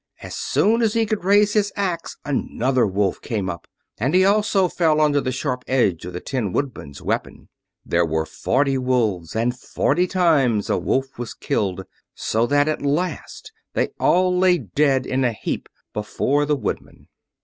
As soon as he could raise his axe another wolf came up, and he also fell under the sharp edge of the Tin Woodman's weapon. There were forty wolves, and forty times a wolf was killed, so that at last they all lay dead in a heap before the Woodman.